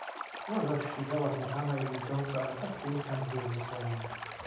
"Ona zaś siedziała zmieszana i milcząca, ale tak piękna, jak dzień wiosenny."